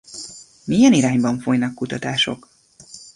Milyen irányban folynak kutatások?